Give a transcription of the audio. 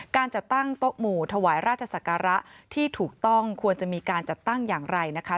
การจัดตั้งโต๊ะหมู่ถวายราชศักระที่ถูกต้องควรจะมีการจัดตั้งอย่างไรนะคะ